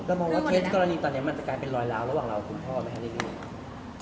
ก็มองว่าเคสกรณีตอนนี้มันจะกลายเป็นรอยล้าวระหว่างเราคุณพ่อมีค่าลิขสิทธิ์